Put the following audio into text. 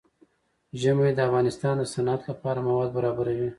ژمی د افغانستان د صنعت لپاره مواد برابروي.